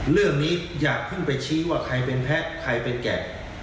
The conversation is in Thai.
เรื่องนี้อยากเผึงไปชี้ว่าใครเป็นแพ้ใครเป็นแก่